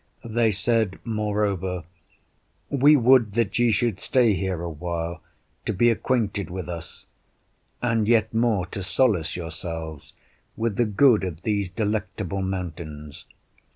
They said moreover, We would that ye should stay here a while, to be acquainted with us; and yet more to solace yourselves with the good of these delectable mountains.